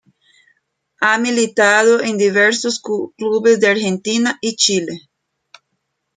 Ha militado en diversos clubes de Argentina y Chile.